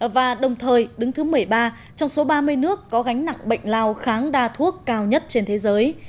và đồng thời đứng thứ một mươi ba trong số ba mươi nước có gánh nặng bệnh lao kháng đa thuốc cao nhất trên thế giới